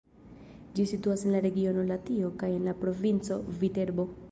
Ĝi situas en la regiono Latio kaj en la provinco Viterbo.